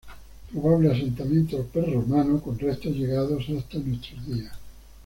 Probable asentamiento prerromano con restos llegados hasta nuestros días.